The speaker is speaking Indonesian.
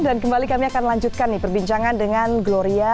dan kembali kami akan lanjutkan nih perbincangan dengan gloria